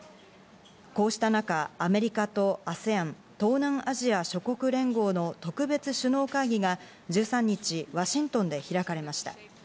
こうした中、アメリカとＡＳＥＡＮ東南アジア諸国連合の特別首脳会議が１３日、ワシントンで開かれました。